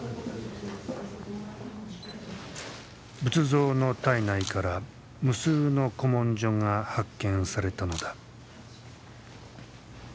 仏像の体内から無数の古文書が発見されたのだ。